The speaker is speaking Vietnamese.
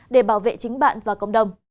để bảo vệ chính bạn và cộng đồng